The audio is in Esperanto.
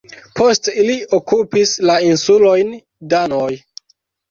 Post ili okupis la insulojn danoj.